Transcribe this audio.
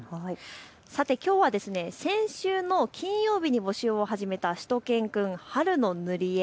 さて、きょうは先週の金曜日に募集を始めたしゅと犬くん春の塗り絵。